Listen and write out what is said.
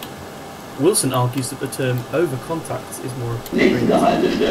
Wilson argues that the term "overcontact" is more appropriate.